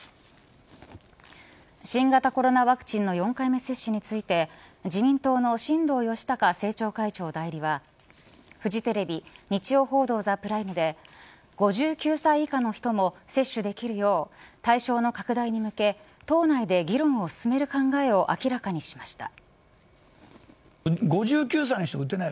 新型コロナワクチンの４回目接種について自民党の新藤義孝政調会長代理はフジテレビ日曜報道ＴＨＥＰＲＩＭＥで５９歳以下の人も接種できるよう対象の拡大に向け党内で議論を進める考えを明らかにしました。